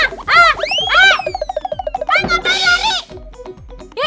pak pak pak lari